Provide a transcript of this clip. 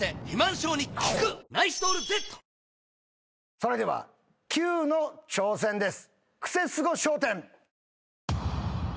それではキュウの挑戦です。